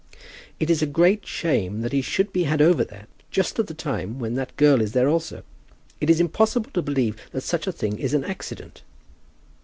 "It is a great shame that he should be had over there just at the time when that girl is there also. It is impossible to believe that such a thing is an accident."